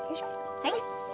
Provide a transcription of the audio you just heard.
はい。